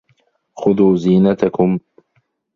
خُذُوا زِينَتَكُمْ